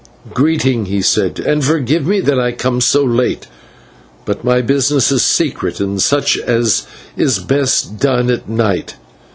"Greeting," he said, "and forgive me that I come so late, but my business is secret and such as is best done at night.